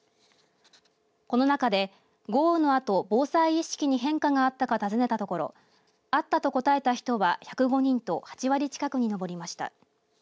この中で、豪雨のあと防災意識に変化があったか尋ねたところあったと答えた人は１０５人と８割近くにのぼりました。